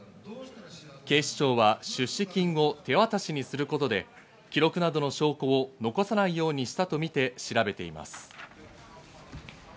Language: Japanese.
警視庁は出資金を手渡しにすることで、記録などの証拠を残さないようにしたとみて調べています。